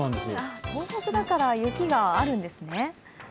東北だから雪があるんですね。